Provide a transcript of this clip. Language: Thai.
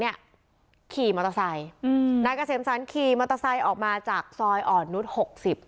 ขี่มอเตอร์ไซค์นายเกษมสรรขี่มอเตอร์ไซค์ออกมาจากซอยอ่อนนุษย์๖๐